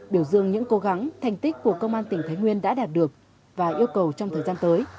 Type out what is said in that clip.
biểu dương những cố gắng thành tích của công an tỉnh thái nguyên đã đạt được và yêu cầu trong thời gian tới